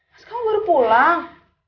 mas kamu baru pulang